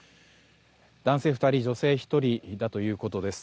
男性２人女性１人だということです。